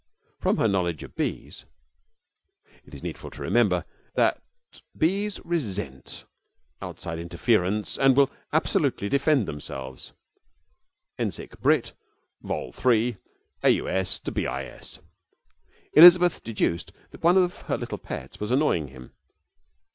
From her knowledge of bees ('It is needful to remember that bees resent outside interference and will resolutely defend themselves,' Encyc. Brit., Vol. III, AUS to BIS) Elizabeth deduced that one of her little pets was annoying him.